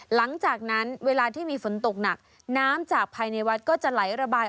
หลังจากนั้นเวลาที่มีฝนตกหนักน้ำจากภายในวัดก็จะไหลระบาย